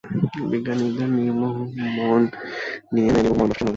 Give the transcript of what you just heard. বৈজ্ঞানিকের নির্মোহ মন নিয়ে মেনে নিই যার মরণদশা সে মরবেই।